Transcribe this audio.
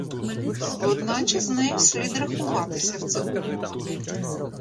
Одначе з нею слід рахуватися в цих умовах.